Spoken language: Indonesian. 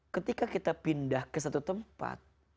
ketika kita pindah ke satu tempat